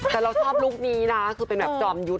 แต่เราชอบลุคนี้นะคือเป็นแบบจอมยุทธ